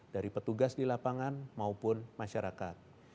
dari petugas di lapangan maupun masyarakat